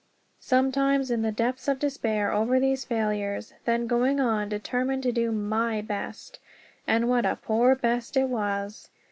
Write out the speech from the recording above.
Sometimes in the depths of despair over these failures; then going on determined to do my best, and what a poor best it was!